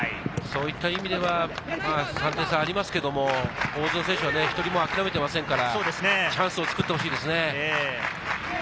そういった意味では、３点差ありますけど、大津の選手は一人も諦めていませんから、チャンスをつくってほしいですね。